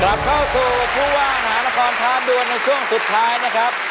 กลับเข้าสู่ผู้ว่ามหานครท้าดวนในช่วงสุดท้ายนะครับ